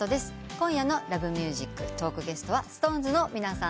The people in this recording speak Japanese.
今夜の『Ｌｏｖｅｍｕｓｉｃ』トークゲストはＳｉｘＴＯＮＥＳの皆さんです。